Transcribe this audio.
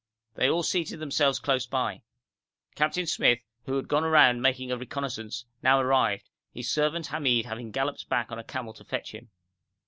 They all seated themselves close by. Captain Smyth, who had gone around making a reconnaissance, now arrived, his servant Hamid having galloped back on a camel to fetch him.